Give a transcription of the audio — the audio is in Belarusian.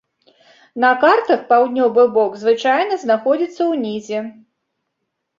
На картах паўднёвы бок звычайна знаходзіцца ўнізе.